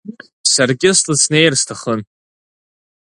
Саргьы слыцнеир сҭахын…